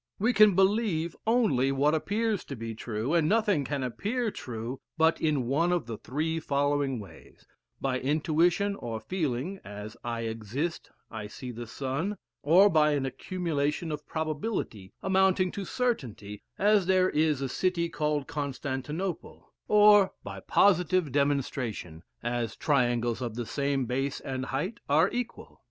We can believe only what appears to be true; and nothing can appear true but in one of the three following ways by intuition or feeling, as I exist, I see the sun; or by an accumulation of probability amounting to certainty, as there is a city called Constantinople; or by positive demonstration, as triangles of the same base and height are equal.